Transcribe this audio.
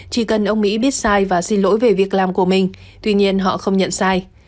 chỉ cần ông mỹ biết sai và xin lỗi về việc làm của mình tuy nhiên họ không nhận sai